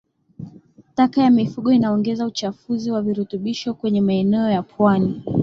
Taka ya mifugo inaongeza uchafuzi wa virutubisho kwenye maeneo ya pwani